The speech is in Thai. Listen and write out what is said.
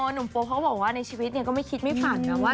หนุ่มโป๊เขาก็บอกว่าในชีวิตก็ไม่คิดไม่ฝันนะว่า